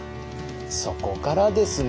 そこからですね！